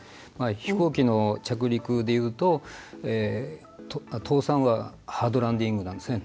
飛行機の着陸でいうと、倒産はハードランディングなんですね。